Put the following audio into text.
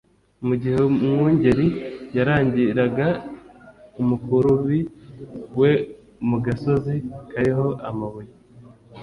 Mu gihe umwungeri yaragiraga umukurubi we mu gasozi kariho amabuye